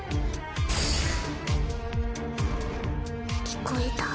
聞こえた？